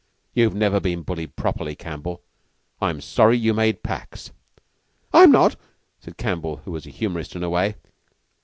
You've never been bullied properly, Campbell. I'm sorry you made pax." "I'm not!" said Campbell, who was a humorist in a way.